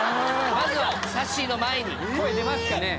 まずはさっしーの前に声出ますかね？